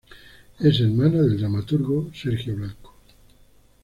Es hermana del dramaturgo Sergio Blanco.